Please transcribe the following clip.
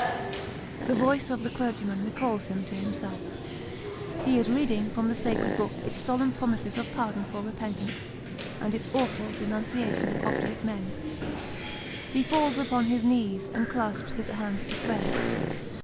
The voice of the clergyman recalls him to himself. He is reading from the sacred book its solemn promises of pardon for repentance, and its awful denunciation of obdurate men. He falls upon his knees and clasps his hands to pray.